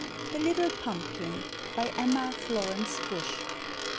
THE LITTLE PUMPKIN EMMA FLORENCE BUSH.